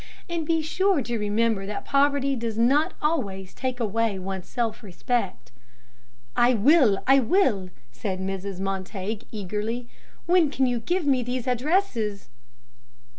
And be sure to remember that poverty does not always take away one's self respect." "I will, I will," said Mrs. Montague, eagerly. "When can you give me these addresses?"